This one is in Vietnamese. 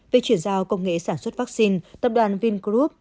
về chuyển giao công nghệ sản xuất vắc xin tập đoàn vingroup